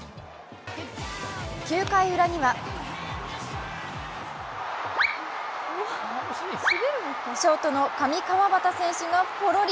９回ウラには、ショートの上川畑選手がぽろり。